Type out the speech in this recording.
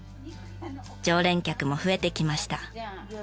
常連客も増えてきました。